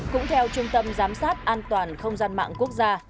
cũng theo trung tâm giám sát an toàn không gian mạng quốc gia